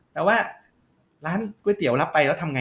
แต่ว่าร้านก๋วยเตี๋ยวรับไปแล้วทำไง